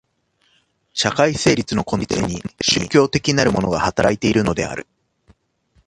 社会成立の根底に宗教的なるものが働いているのである。